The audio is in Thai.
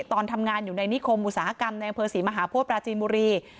ตอนทำงานอยู่ในนิคมอุตสาหกรรมในอำเภอศรีมหาโพธิปราจีนบุรี